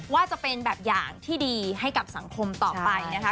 ว่าจะเป็นแบบอย่างที่ดีให้กับสังคมต่อไปนะคะ